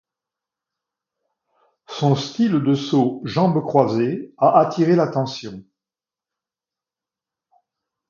Son style de saut jambes croisées a attiré l'attention.